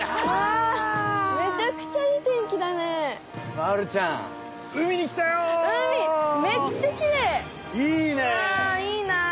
わいいな。